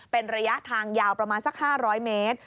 เป็นระยะทางยาวประมาณสัก๕๐๐เมตร